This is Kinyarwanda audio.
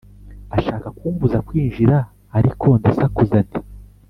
ashaka kumbuza kwinjira ariko ndasakuza nti